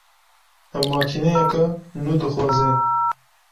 Ew makîneyeka nû dixwaze